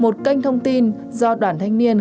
một kênh thông tin do đoàn thanh niên